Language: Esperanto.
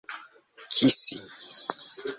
kisi